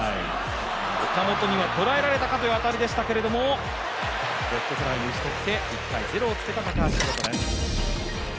岡本には捉えられたかという当たりでしたが、レフトフライに打ち取って、１回、ゼロをつけた高橋宏斗です。